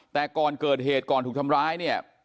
แต่ก่อนเกิดเหตุก่อนถูกทำร้ายเนี่ย